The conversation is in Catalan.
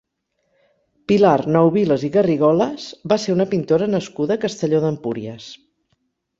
Pilar Nouvilas i Garrigolas va ser una pintora nascuda a Castelló d'Empúries.